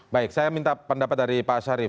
baik saya minta pendapat dari pak syarif